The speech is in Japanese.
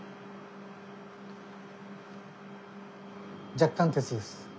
若干鉄です。